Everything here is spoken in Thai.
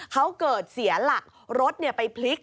เขาเกิดเสียหลักรถไปพลิก